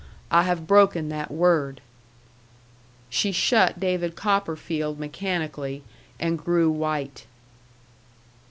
I have broken that word." She shut DAVID COPPERFIELD mechanically, and grew white.